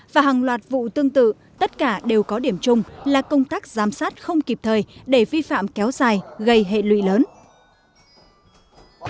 và hàng loạt vụ tương tự tất cả đều có điểm chung là công tác giám sát không kịp thời để vi phạm kéo dài gây hệ lụy lớn